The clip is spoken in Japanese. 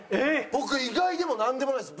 僕意外でもなんでもないです。